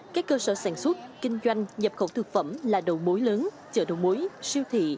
các cơ sở sản xuất kinh doanh nhập khẩu thực phẩm là đầu mối lớn chợ đầu mối siêu thị